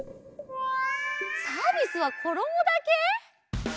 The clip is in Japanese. サービスはころもだけ！？